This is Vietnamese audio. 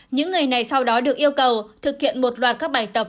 những ngày này sau đó được yêu cầu thực hiện một loạt các bài tập